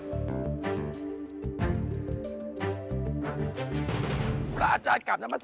วัดสุทัศน์นี้จริงแล้วอยู่มากี่ปีตั้งแต่สมัยราชการไหนหรือยังไงครับ